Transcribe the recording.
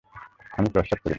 আমি প্রস্রাব করিনি।